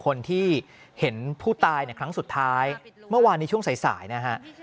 คนที่เห็นผู้ตายในครั้งสุดท้ายเมื่อวานนี้ช่วงสายนะฮะ